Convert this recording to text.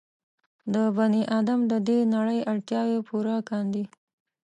د بني ادم د دې نړۍ اړتیاوې پوره کاندي.